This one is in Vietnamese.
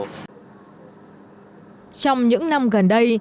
trong những năm gần đây